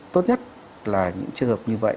tốt nhất là những trường hợp như vậy